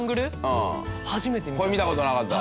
これ見た事なかった？